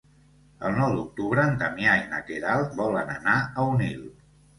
El nou d'octubre en Damià i na Queralt volen anar a Onil.